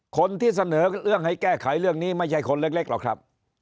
คนที่เสนอเรื่องให้แก้ไขเรื่องนี้ไม่ใช่คนเล็กหรอกครับ